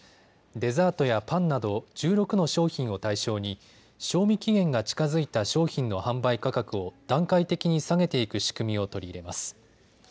デザートやパンなど１６の商品を対象に賞味期限が近づいた商品の販売価格を段階的に下げていく仕組みを取り入れます。